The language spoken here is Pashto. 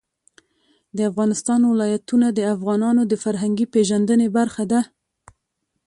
د افغانستان ولايتونه د افغانانو د فرهنګي پیژندنې برخه ده.